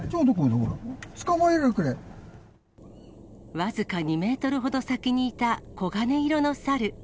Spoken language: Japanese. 僅か２メートルほど先にいた黄金色の猿。